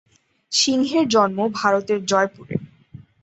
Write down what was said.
সিংহের জন্ম ভারতের জয়পুরে।